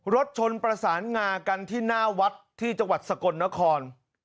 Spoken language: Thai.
รถชนประสานงากันที่หน้าวัดที่จังหวัดสกลนคร